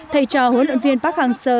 thay cho huấn luyện viên park hang seo